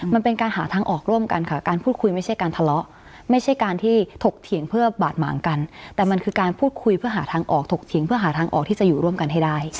มันเป็นการหาทางออกร่วมกันค่ะการพูดคุยไม่ใช่การทะเลาะไม่ใช่การที่ถกเถียงเพื่อบาดหมางกันแต่มันคือการพูดคุยเพื่อหาทางออกถกเถียงเพื่อหาทางออกที่จะอยู่ร่วมกันให้ได้